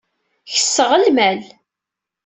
Kesseɣ lmal.